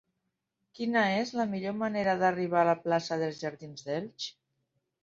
Quina és la millor manera d'arribar a la plaça dels Jardins d'Elx?